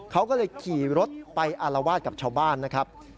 เขาก็เลยขี่รถไปอารวาสกับชาวบ้านนะครับ